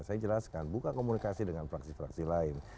saya jelaskan buka komunikasi dengan fraksi fraksi lain